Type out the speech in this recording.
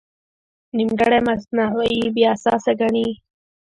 نیمګړی مصنوعي بې اساسه ګڼي.